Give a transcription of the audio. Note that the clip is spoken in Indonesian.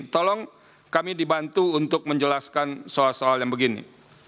tolong kami dibantu untuk menjelaskan soal soal yang begini